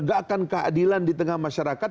tegakkan keadilan di tengah masyarakat